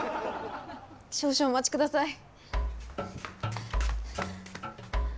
少々お待ちください。